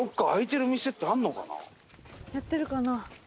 やってるかな？